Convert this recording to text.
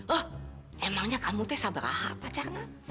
hah emangnya kamu tuh sama pacaran